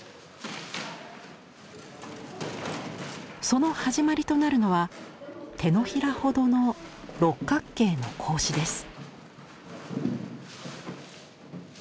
その始まりとなるのは手のひらほどの六角形の格子です。